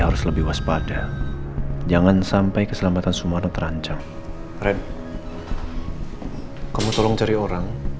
harus lebih waspada jangan sampai keselamatan sumana terancam red kamu tolong cari orang